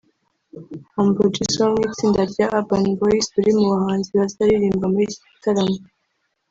Humble Jizzo wo mu itsinda rya Urban Boyz uri mu bahanzi bazaririmba muri iki gitaramo